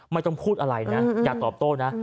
ไม่ต้องพูดอะไรนะอย่าตอบโต้นะ